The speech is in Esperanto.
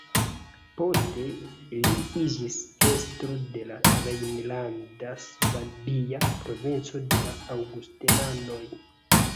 Poste li iĝis estro de la rejnlanda-svabia provinco de la aŭgustenanoj.